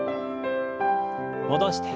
戻して。